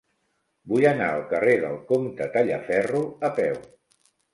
Vull anar al carrer del Comte Tallaferro a peu.